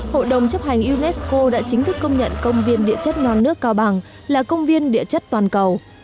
hội đồng chấp hành unesco đã chính thức công nhận công viên địa chất non nước cao bằng là công viên địa chất toàn cầu